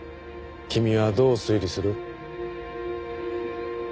君はどう推理する？